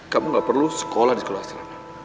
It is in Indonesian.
kalau perlu sekolah di sekolah asal